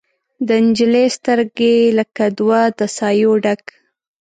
د نجلۍ سترګې لکه دوه د سايو ډک